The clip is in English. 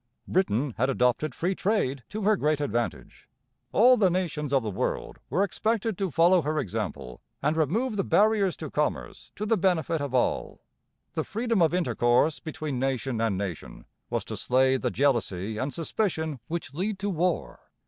Britain had adopted free trade, to her great advantage. All the nations of the world were expected to follow her example and remove the barriers to commerce to the benefit of all. The freedom of intercourse between nation and nation was to slay the jealousy and suspicion which lead to war.